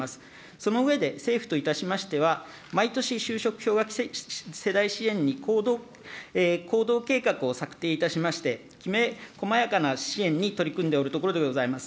その上で、政府といたしましては、毎年就職氷河期世代支援に行動計画を策定いたしまして、きめこまやかな支援に取り組んでおるところでございます。